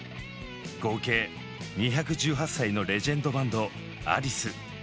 合計２１８歳のレジェンドバンドアリス。